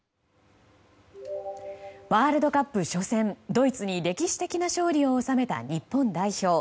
ワールドカップ初戦ドイツに歴史的な勝利を収めた日本代表。